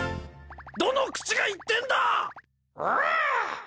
どの口が言ってんだ！